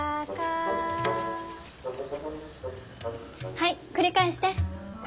はい繰り返して。